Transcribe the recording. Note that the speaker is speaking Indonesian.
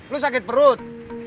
lu sakit perut